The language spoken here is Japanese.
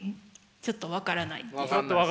ちょっと分からないね。